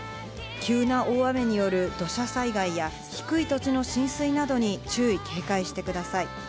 急な大雨による土砂災害や低い土地の浸水などに注意、警戒してください。